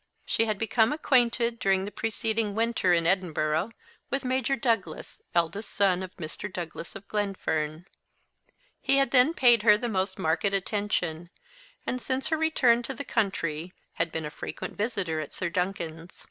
She had become acquainted, during the preceding winter in Edinburgh, with Major Douglas, eldest son of Mr. Douglas of Glenfern. He had then paid her the most marked attention; and, since her return to the country, had been a frequent visitor at Sir Duncan's.